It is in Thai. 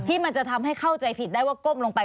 มันจะทำให้เข้าใจผิดได้ว่าก้มลงไป